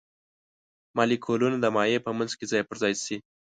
مالیکولونه د مایع په منځ کې ځای پر ځای شي.